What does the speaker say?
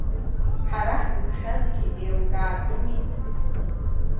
Ҳара ҳзықәшәазгьы еилкаатәыми.